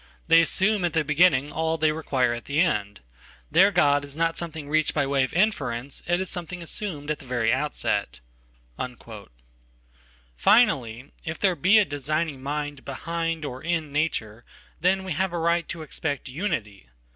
They assume at the beginning all they require at the end. Their God is not something reached by way of inference, it is something assumed at the very outset." Finally, if there be a designing mind behind or in nature, then we have a right to expect unity.